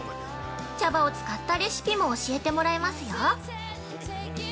茶葉を使ったレシピも教えてもらえますよ。